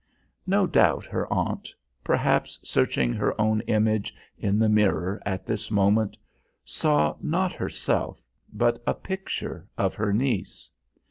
No doubt her aunt perhaps searching her own image in the mirror at this moment saw not herself but a picture of her niece.